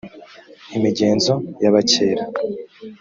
imigenzo y’abakera